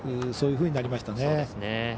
そういうふうになりましたね。